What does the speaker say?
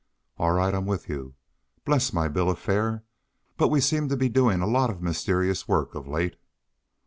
"All right. I'm with you. Bless my bill of fare! But we seem to be doing a lot of mysterious work of late."